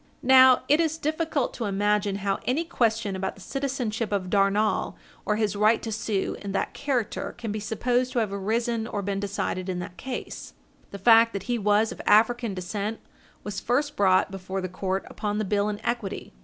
Now it is difficult to imagine how any question about the citizenship of Darnall, or his right to sue in that character, can be supposed to have arisen or been decided in that case. The fact that he was of African descent was first brought before the court upon the bill in equity.